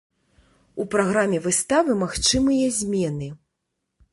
У праграме выставы магчымыя змены.